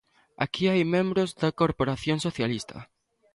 Aquí hai membros da corporación socialista.